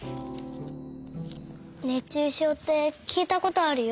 熱中症ってきいたことあるよ。